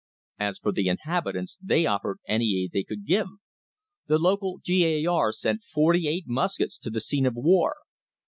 As for the inhabitants, they offered any aid they could give. The local G. A. R. sent forty eight muskets to the scene of war.